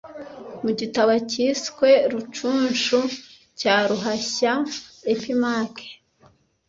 Mu gitabo cyiswe Rucunshu, cya Ruhashya Épimaque